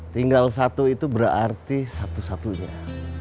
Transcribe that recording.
tinggal satu itu berarti satu satunya